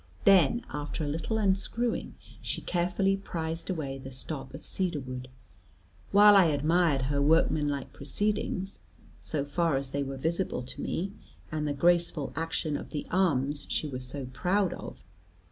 Then, after a little unscrewing, she carefully prized away the stop of cedar wood, while I admired her workman like proceedings (so far as they were visible to me), and the graceful action of the arms she was so proud of.